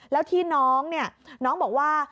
แล้วที่น้องเนี่ยน้องบอกว่า